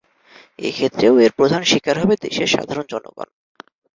এ ক্ষেত্রেও এর প্রধান শিকার হবে দেশের সাধারণ জনগণ।